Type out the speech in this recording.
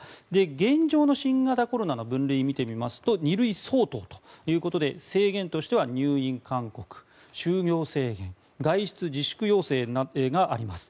現状の新型コロナの分類を見てみますと２類相当ということで制限としては入院勧告就業制限、外出自粛要請があります。